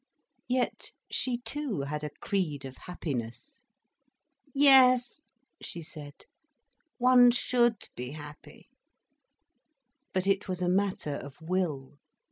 Yet she too had a creed of happiness. "Yes," she said. "One should be happy—" But it was a matter of will.